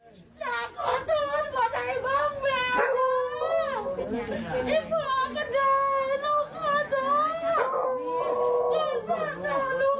ต้องอยากตายถูกต้องเก็บปากด้านต้องกลับมาสันด่วนแล้ว